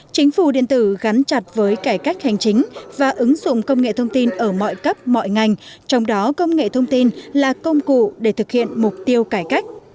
chính phủ điện tử gắn chặt với cải cách hành chính và ứng dụng công nghệ thông tin ở mọi cấp mọi ngành trong đó công nghệ thông tin là công cụ để thực hiện mục tiêu cải cách